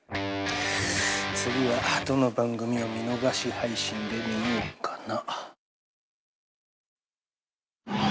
次はどの番組を見逃し配信で見ようかな。